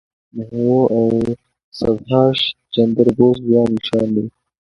نهرو او سبهاش چندر بوس ځوان مشران وو.